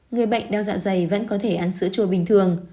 người bệnh đeo dạ dày vẫn có thể ăn sữa chua bình thường